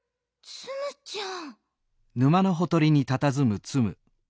ツムちゃん！